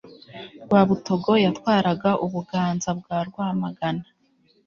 rwabutogo yatwaraga ubuganza bwa rwamagana